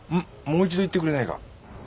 もう一度言ってくれないか。